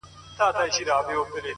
سترگه وره انجلۍ بيا راته راگوري ـ